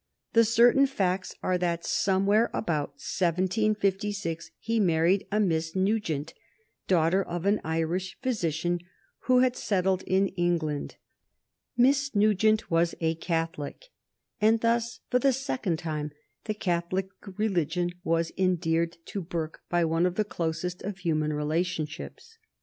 The certain facts are that somewhere about 1756 he married a Miss Nugent, daughter of an Irish physician who had settled in England. Miss Nugent was a Catholic, and thus, for the second time, the Catholic religion was endeared to Burke by one of the closest of human relationships.